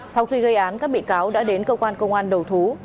sau khi gây án các bị cáo đã đến cơ quan công an đầu thú